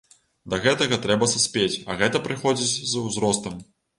Да гэтага трэба саспець, а гэта прыходзіць з узростам.